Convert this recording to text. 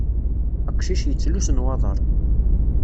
Aqcic yettlus nwaḍar.